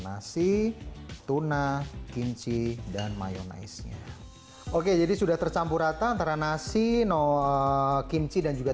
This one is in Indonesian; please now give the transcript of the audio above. nasi tuna kimchi dan mayonaise nya oke jadi sudah tercampur rata antara nasi no kimchi dan juga